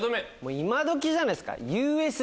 今どきじゃないっすか？